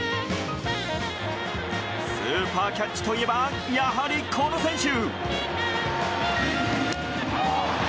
スーパーキャッチといえばやはり、この選手。